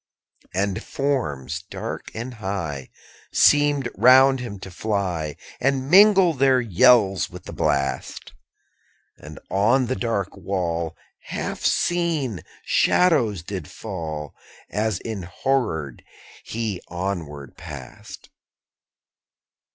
12. And forms, dark and high, _65 Seemed around him to fly, And mingle their yells with the blast: And on the dark wall Half seen shadows did fall, As enhorrored he onward passed.